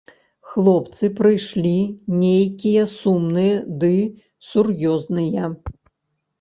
Хлопцы прыйшлі нейкія сумныя ды сур'ёзныя.